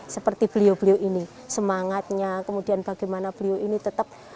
seperti beliau beliau ini semangatnya kemudian bagaimana beliau ini tetap